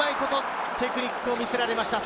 テクニックを見せられました。